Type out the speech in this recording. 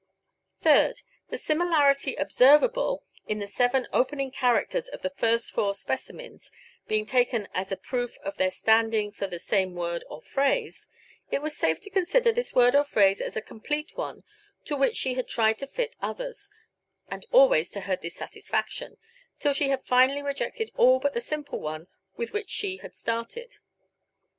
Third: The similarity observable in the seven opening characters of the first four specimens being taken as a proof of their standing for the same word or phrase, it was safe to consider this word or phrase as a complete one to which she had tried to fit others, and always to her dissatisfaction, till she had finally rejected all but the simple one with which she had started.